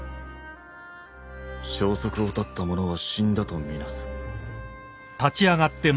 消息を絶った者は死んだと見なす。